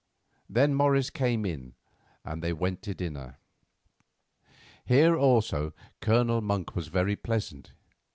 Then Morris came in, and they went to dinner. Here also Colonel Monk was very pleasant.